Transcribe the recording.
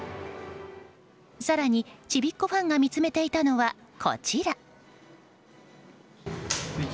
更に、ちびっこファンが見詰めていたのは、こちら。